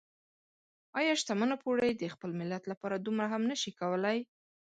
ايا شتمنه پوړۍ د خپل ملت لپاره دومره هم نشي کولای؟